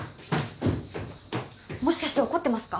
もしかして怒ってますか？